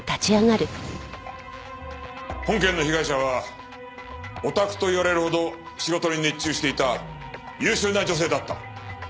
本件の被害者はオタクと言われるほど仕事に熱中していた優秀な女性だった。